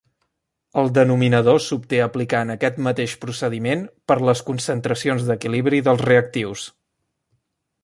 El denominador s’obté aplicant aquest mateix procediment per les concentracions d’equilibri dels reactius.